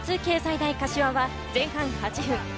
大柏は前半８分。